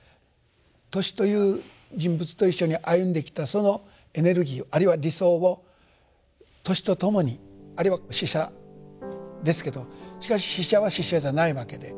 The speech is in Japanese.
トシという人物と一緒に歩んできたそのエネルギーをあるいは理想をトシと共にあるいは死者ですけどしかし死者は死者じゃないわけで。